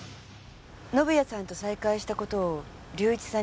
宣也さんと再会した事を隆一さんに伝えた？